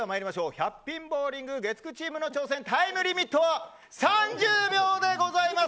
１００ピンボウリング月９チームの挑戦タイムリミットは３０秒でございます。